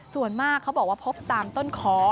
ส่วนมากเขาบอกว่าพบตามต้นคอ